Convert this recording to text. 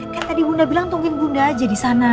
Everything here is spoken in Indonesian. kan tadi bunda bilang tungguin bunda aja disana